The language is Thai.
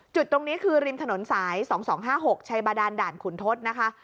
จุดตรงนี้คือริมถนนสาย๒๒๕๖ชัยบาดานด่านขุนทศนะคะ